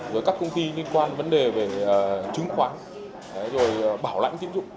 rồi các công ty liên quan vấn đề về chứng khoán rồi bảo lãnh kiếm dụng